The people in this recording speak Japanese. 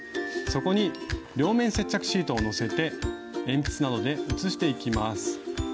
そこに両面接着シートをのせて鉛筆などで写していきます。